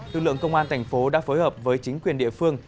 lực lượng công an thành phố đã phối hợp với chính quyền địa phương